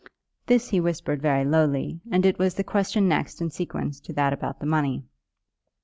This he whispered very lowly, and it was the question next in sequence to that about the money.